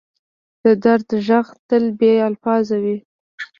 د درد ږغ تل بې الفاظه وي.